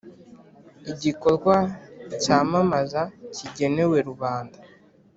igikorwa cyamamaza kigenewe rubanda